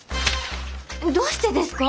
どうしてですか？